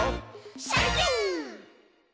「サンキュー！！！」